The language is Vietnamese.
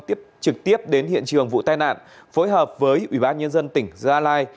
tiếp trực tiếp đến hiện trường vụ tai nạn phối hợp với ủy ban nhân dân tỉnh gia lai